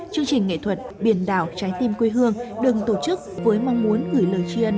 chương trình nghệ thuật biển đảo trái tim quê hương được tổ chức với mong muốn gửi lời tri ân